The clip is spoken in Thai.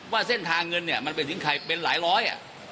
ว่าเส้นทางเงินเนี่ยมันไปถึงใครเป็นหลายร้อย